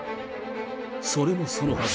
それもそのはず。